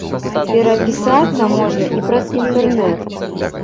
Перапісацца можна і праз інтэрнэт.